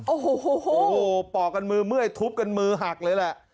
โอ้โหปอกกันมือเมื่อยทุบกันมือหักเลยแหละ